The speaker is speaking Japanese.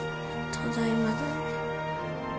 ただいまだね。